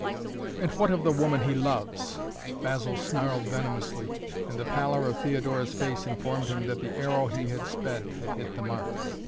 "And what of the woman he loves?" Basil snarled venomously, and the pallor of Theodora's face informed him that the arrow he had sped had hit the mark.